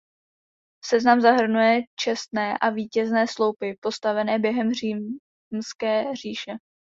Seznam zahrnuje čestné a vítězné sloupy postavené během Římské říše.